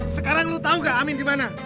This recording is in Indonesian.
sekarang lu tau gak amin dimana